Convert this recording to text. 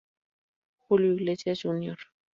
Julio Iglesias Jr.